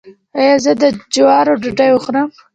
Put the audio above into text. ایا زه د جوارو ډوډۍ وخورم؟